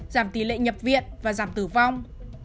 giảm tỷ lệ nhập viện và giảm tử vong